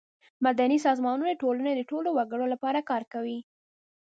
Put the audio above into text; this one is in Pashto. مدني سازمانونه د ټولنې د ټولو وګړو لپاره کار کوي.